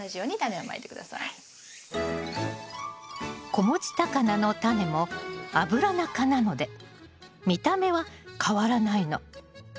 子持ちタカナのタネもアブラナ科なので見た目は変わらないの。